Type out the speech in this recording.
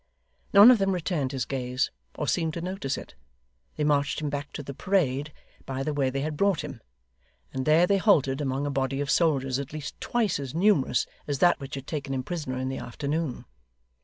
None of them returned his gaze or seemed to notice it. They marched him back to the parade by the way they had brought him, and there they halted, among a body of soldiers, at least twice as numerous as that which had taken him prisoner in the afternoon.